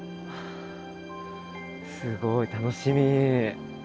すごい楽しみ。